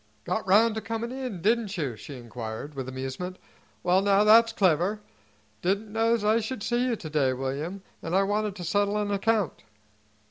"Got round to comin' in, didn't you?" she inquired, with amusement. "Well, now, that's clever. Didn't know's I should see you to day, William, an' I wanted to settle an account."